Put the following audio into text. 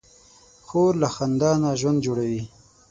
خور له خندا نه ژوند جوړوي.